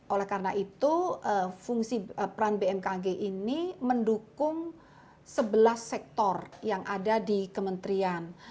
oleh karena itu fungsi peran bmkg ini mendukung sebelas sektor yang ada di kementerian